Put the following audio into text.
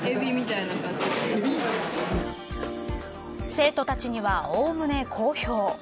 生徒たちには、おおむね好評。